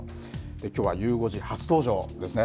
きょうはゆう５時初登場のですね